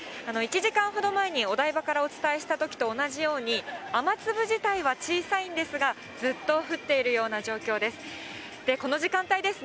１時間ほど前にお台場からお伝えしたときと同じように、雨粒自体は小さいんですが、ずっと降っているような状況です。